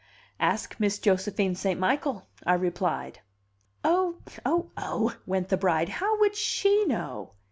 "Ask Miss Josephine St. Michael," I replied. "Oh, oh, oh!" went the bride. "How would she know?"